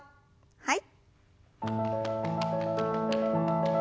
はい。